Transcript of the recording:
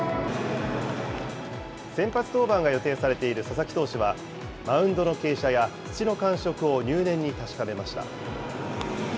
先発登板が予定されている佐々木投手は、マウンドの傾斜や土の感触を入念に確かめました。